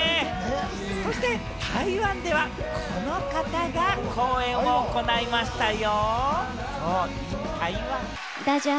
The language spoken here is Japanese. そして台湾では、この方が公演を行いましたよ！